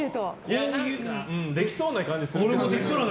できそうな感じする。